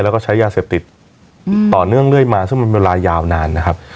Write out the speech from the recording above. แล้วก็ใช้ยาเสพติดต่อเนื่องเรื่อยมาซึ่งเป็นเวลายาวนานนะครับ